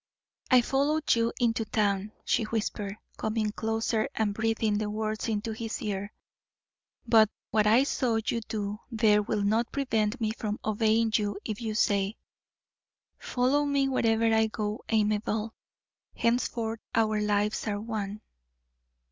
"I followed you into town," she whispered, coming closer, and breathing the words into his ear. "But what I saw you do there will not prevent me from obeying you if you say: 'Follow me wherever I go, Amabel; henceforth our lives are one.'"